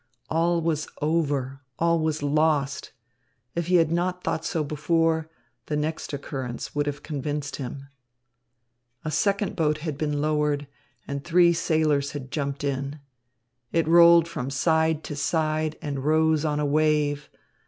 All was over, all was lost. If he had not thought so before, the next occurrence would have convinced him. A second boat had been lowered, and three sailors had jumped in. It rolled from side to side and rose on a wave.